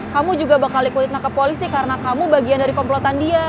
kamu juga bakal ikuti ke polisi karena kamu bagian dari komplotan dia